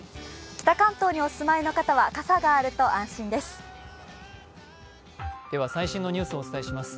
北関東にお住まいの方は傘があると安心です。